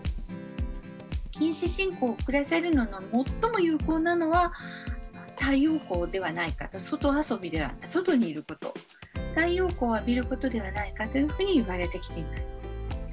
近視進行を遅らせるのに最も有効なのは太陽光ではないかと外遊び外にいること太陽光を浴びることではないかというふうにいわれてきています。